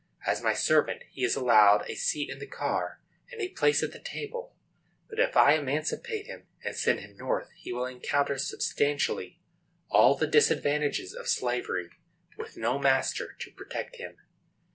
As my servant he is allowed a seat in the car and a place at the table. But if I emancipate and send him North, he will encounter substantially all the disadvantages of slavery, with no master to protect him."